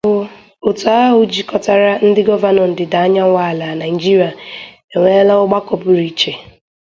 òtù ahụ jikọtara ndị gọvanọ ndịda anyanwụ ala Nigeria enweela ọgbakọ pụrụ iche